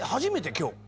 今日。